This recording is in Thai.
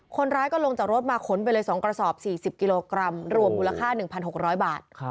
คนร้ายก็ลงจากรถมาขนไปเลย๒กระสอบ๔๐กิโลกรัมรวมมูลค่า๑๖๐๐บาท